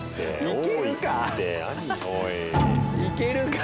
いけるか？